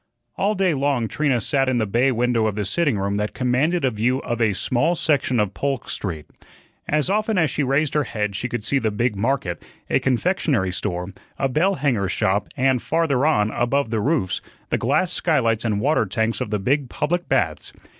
All day long Trina sat in the bay window of the sitting room that commanded a view of a small section of Polk Street. As often as she raised her head she could see the big market, a confectionery store, a bell hanger's shop, and, farther on, above the roofs, the glass skylights and water tanks of the big public baths.